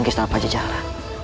ke istana pajajaran